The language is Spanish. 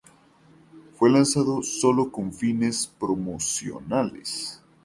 Fue lanzado sólo con fines promocionales.